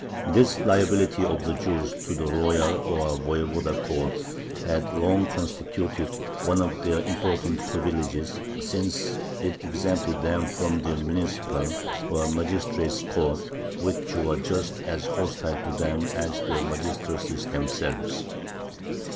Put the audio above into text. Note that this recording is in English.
This liability of the Jews to the royal or voyevoda courts had long constituted one of their important privileges, since it exempted them from the municipal, or magistrates' courts, which were just as hostile to them as the magistracies themselves.